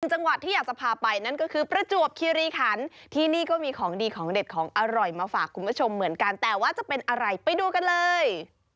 จังหวัดที่อยากจะพาไปนั่นก็คือประจวบคิริขันที่นี่ก็มีของดีของเด็ดของอร่อยมาฝากคุณผู้ชมเหมือนกันแต่ว่าจะเป็นอะไรไปดูกันเลย